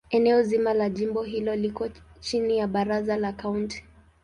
Eneo zima la jimbo hili liko chini ya Baraza la Kaunti.